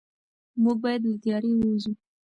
موږ باید له تیارې ووځو.